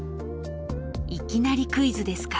いきなりクイズですか。